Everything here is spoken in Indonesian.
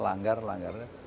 langgar langgar ya